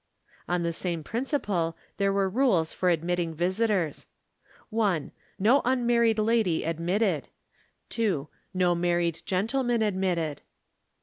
On the same principle were the rules for admitting visitors: 1. No unmarried lady admitted. 2. No married gentlemen admitted.